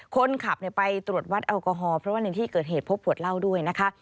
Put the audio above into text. คนขับไปตรวจวัดแอลกอฮอลเพราะว่าในที่เกิดเหตุพบขวดเหล้าด้วยนะคะ